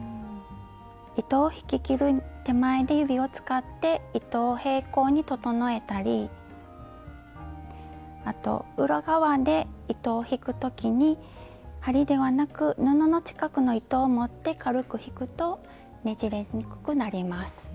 糸を引ききる手前で指を使って糸を平行に整えたりあと裏側で糸を引く時に針ではなく布の近くの糸を持って軽く引くとねじれにくくなります。